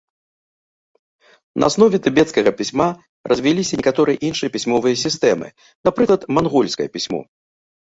На аснове тыбецкага пісьма развіліся некаторыя іншыя пісьмовыя сістэмы, напрыклад, мангольскае пісьмо.